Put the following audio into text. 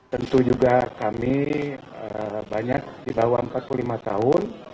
tentu juga kami banyak di bawah empat puluh lima tahun